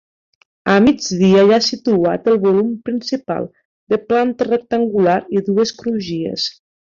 A migdia hi ha situat el volum principal, de planta rectangular i dues crugies.